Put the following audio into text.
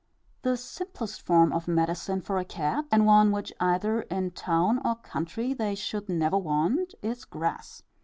The simplest form of medicine for a cat, and one which either in town or country they should never want, is grass.